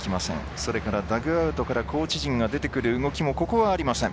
それからダグアウトからコーチ陣が出てくる動きもここはありません。